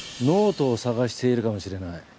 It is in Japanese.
ノートを探しているかもしれない。